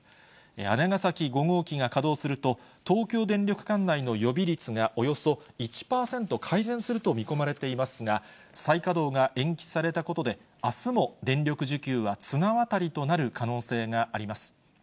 姉崎５号機が稼働すると、東京電力管内の予備率がおよそ１％改善すると見込まれていますが、再稼働が延期されたことで、あすも電力需給は綱渡りとなる可能性があります。